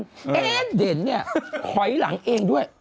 เดี๋ยวไม่มีอะไรกันเด่นเนี่ยถอยหลังเองด้วย